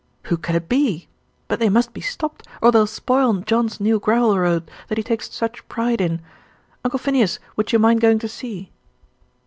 "Who can it be? But they must be stopped, or they'll spoil John's new gravel road that he takes such pride in. Uncle Phineas, would you mind going to see?"